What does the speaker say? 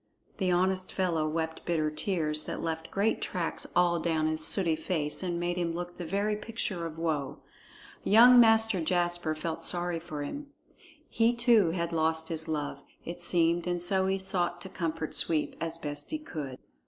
The honest fellow wept bitter tears that left great tracks all down his sooty face and made him look the very picture of woe. Young Master Jasper felt sorry for him. He too had lost his love, it seemed, and so he sought to comfort Sweep as best he could.